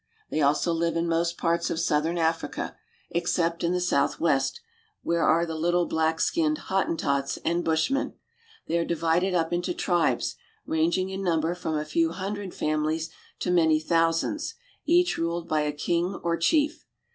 They also live in most parts of southern Africa, except in the southwest, where are the little black skinned Hottentots and Bushmen. They are divided up into tribes, ranging in number from a few hun dred families to many thousands, each ruled by a king or chief.